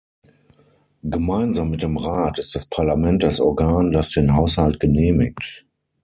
Gemeinsam mit dem Rat ist das Parlament das Organ, das den Haushalt genehmigt.